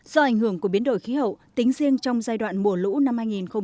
do ảnh hưởng của biến đổi khí hậu tính riêng trong giai đoạn mùa lũ năm hai nghìn một mươi chín